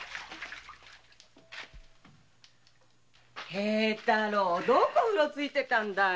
平太郎どこうろついてたんだい。